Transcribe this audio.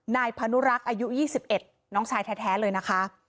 นายพนุรักษ์อายุ๒๑น้องชายแท้เลยนะคะ